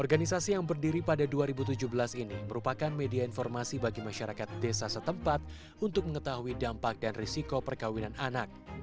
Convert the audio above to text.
organisasi yang berdiri pada dua ribu tujuh belas ini merupakan media informasi bagi masyarakat desa setempat untuk mengetahui dampak dan risiko perkawinan anak